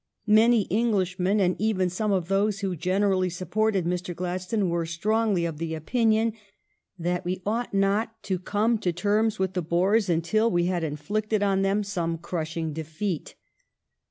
Many Englishmen, and even some of those who gener ally supported Mr. Gladstone, were strongly of opinion that we ought not to come to terms with the Boers until we had inflicted on them some crushing defeat.